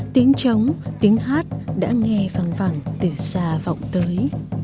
tiếng trống tiếng hát đã nghe phân vẳng từ xa vọng tới